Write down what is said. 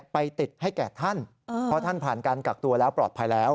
ไปติดให้แก่ท่านเพราะท่านผ่านการกักตัวแล้วปลอดภัยแล้ว